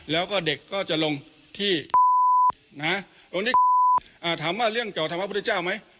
แล้วก็เด็กก็จะลงที่ตรงนี้ถามว่าเรื่องเก่าธรรมพระพุทธเจ้าไหม